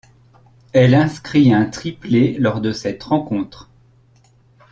Elle inscrit un triplé lors de cette rencontre.